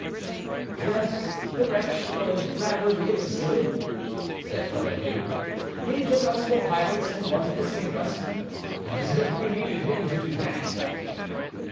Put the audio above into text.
"Yes, the wretch, or rather the imbecile," said Donadieu, "he took us for pirates, and wanted to sink us—as if we needed him to do that!"